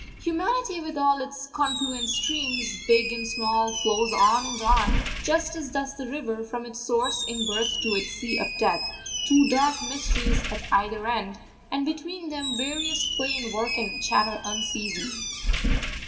Humanity, with all its confluent streams, big and small, flows on and on, just as does the river, from its source in birth to its sea of death; two dark mysteries at either end, and between them various play and work and chatter unceasing.